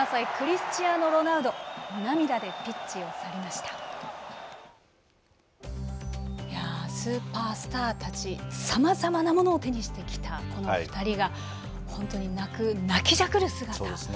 スーパースターたちさまざまなものを手にしてきたこの２人が本当に泣きじゃくる姿。